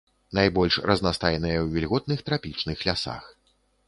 Найбольш разнастайныя ў вільготных трапічных лясах.